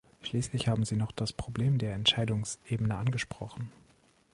Schließlich haben Sie noch das Problem der Entscheidungsebene angesprochen.